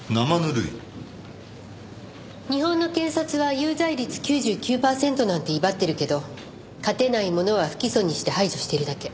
日本の検察は有罪率９９パーセントなんて威張ってるけど勝てないものは不起訴にして排除してるだけ。